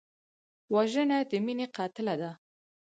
وژنه د مینې قاتله ده